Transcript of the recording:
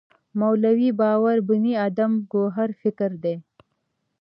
مولوی باور بني ادم ګوهر فکر دی.